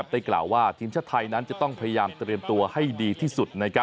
กล่าวว่าทีมชาติไทยนั้นจะต้องพยายามเตรียมตัวให้ดีที่สุด